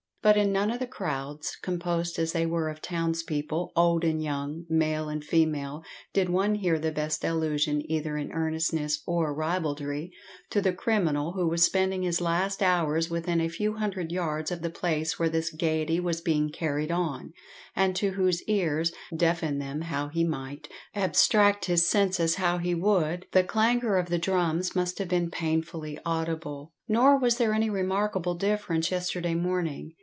But in none of the crowds, composed as they were of townspeople old and young, male and female did one hear the best allusion, either in earnestness or ribaldry, to the criminal who was spending his last hours within a few hundred yards of the place where this gaity was beingcarried on, and to whose ears, deafen them how he might, abstract his senses how he would, the clangour of the drums must have been painfully audible. Nor was there any remarkable difference yesterday morning.